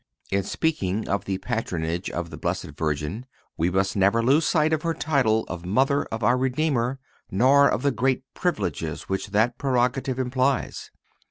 In speaking of the patronage of the Blessed Virgin, we must never lose sight of her title of Mother of our Redeemer nor of the great privileges which that prerogative implies.